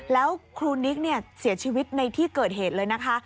แล้วครูนิกเสียชีวิตในที่เกิดเหตุเลยนะคะ